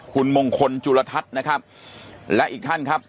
คุณมงคลจุลทัศน์นะครับและอีกท่านครับ